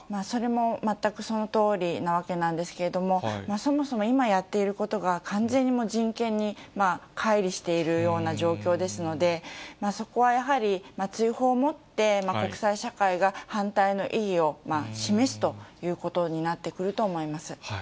それも全くそのとおりなわけなんですけれども、そもそも今やっていることが、完全に人権にかい離しているような状況ですので、そこはやはり、追放をもって国際社会が反対の意義を示すということになってくると思います。